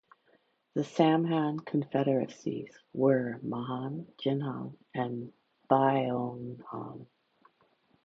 The Samhan confederacies were Mahan, Jinhan, and Byeonhan.